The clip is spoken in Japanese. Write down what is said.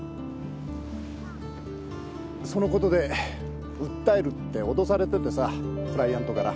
そのことで訴えるって脅されててさクライアントから。